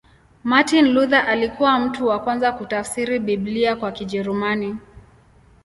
Martin Luther alikuwa mtu wa kwanza kutafsiri Biblia kwa Kijerumani.